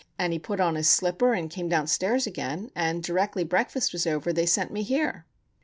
And he put on his slipper and came downstairs again; and directly breakfast was over they sent me here."